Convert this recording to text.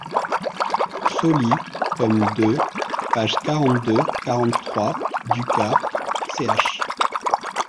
Sauli, tome deux, pages quarante-deux, quarante-trois. Ducas, ch.